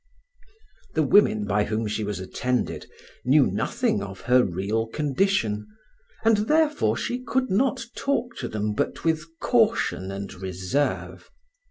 The women by whom she was attended knew nothing of her real condition, and therefore she could not talk to them but with caution and reserve.